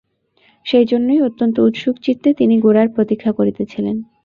সেইজন্যই অত্যন্ত উৎসুকচিত্তে তিনি গোরার প্রতীক্ষা করিতেছিলেন।